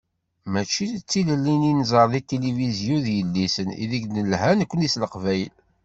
Mačči d tilelli-nni i nẓer deg tilifizyu d yidlisen i deg d-nelha nekkni s leqbayel.